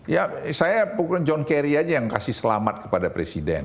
ya saya bukan john kerry aja yang kasih selamat kepada presiden